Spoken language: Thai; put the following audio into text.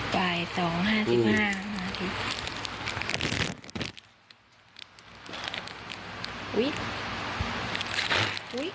บ่าย๒๕๕นาที